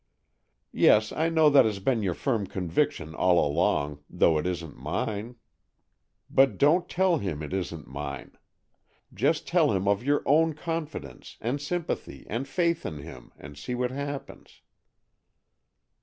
"Yes, I know that has been your firm conviction all along, though it isn't mine. But don't tell him it isn't mine; just tell him of your own confidence and sympathy and faith in him, and see what happens."